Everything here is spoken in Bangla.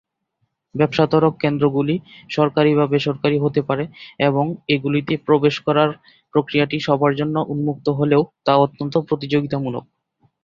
ব্যবসা ত্বরক কেন্দ্রগুলি সরকারী বা বেসরকারী হতে পারে এবং এগুলিতে প্রবেশ করার প্রক্রিয়াটি সবার জন্য উন্মুক্ত হলেও তা অত্যন্ত প্রতিযোগিতামূলক।